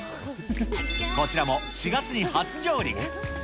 こちらも４月に初上陸。